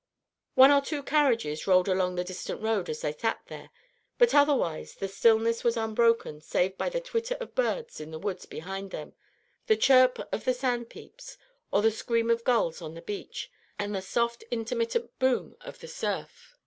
One or two carriages rolled along the distant road as they sat there; but otherwise; the stillness was unbroken save by the twitter of birds in the woods behind them, the chirp of sand peeps or the scream of gulls on the beach, and the soft intermittent boom of the surf.